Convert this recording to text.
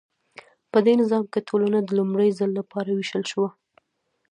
په دې نظام کې ټولنه د لومړي ځل لپاره ویشل شوه.